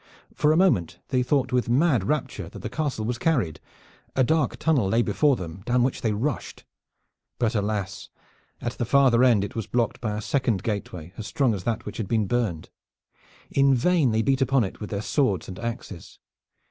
For a moment they thought with mad rapture that the castle was carried. A dark tunnel lay before them, down which they rushed. But alas! at the farther end it was blocked by a second gateway as strong as that which had been burned. In vain they beat upon it with their swords and axes.